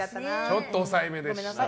ちょっと抑えめでした。